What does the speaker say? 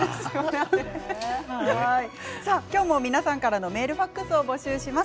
皆さんからのメールファックスを募集します。